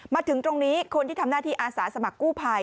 มาถึงตรงนี้คนที่ทำหน้าที่อาสาสมัครกู้ภัย